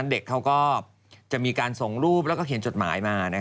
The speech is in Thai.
เด็กเขาก็จะมีการส่งรูปแล้วก็เขียนจดหมายมา